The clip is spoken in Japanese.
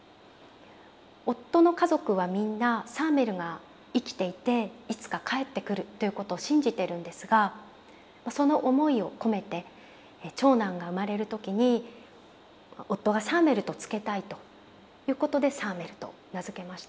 夫の家族はみんなサーメルが生きていていつか帰ってくるということを信じてるんですがその思いを込めて長男が生まれる時に夫がサーメルと付けたいということでサーメルと名付けました。